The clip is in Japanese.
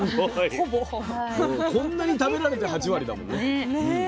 こんなに食べられて８割だもん。ね。